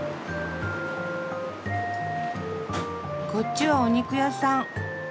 こっちはお肉屋さん。